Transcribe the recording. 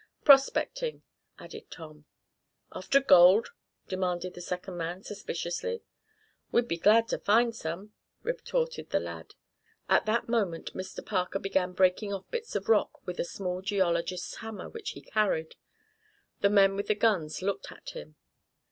"Prospecting," added Tom. "After gold?" demanded the second man, suspiciously. "We'd be glad to find some," retorted the lad. At that moment Mr. Parker began breaking off bits of rock with a small geologist's hammer which he carried. The men with the guns looked at him.